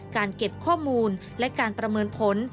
เก็บข้อมูลและการประเมินผล